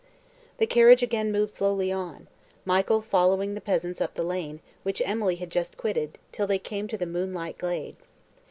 The carriage again moved slowly on; Michael following the peasants up the lane, which Emily had just quitted, till they came to the moonlight glade.